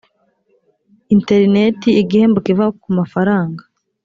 interineti igihembo kiva ku mafaranga